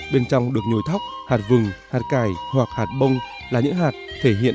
bên trong được nhồi thóc hạt vừng hạt cải hoặc hạt bông là những hạt thể hiện